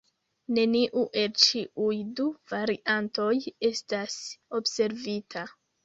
Neniu el ĉiuj du variantoj estas observita.